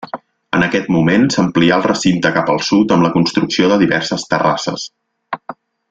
En aquest moment, s'amplià el recinte cap al sud amb la construcció de diverses terrasses.